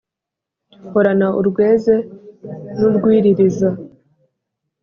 Horana urweze n’urwiririza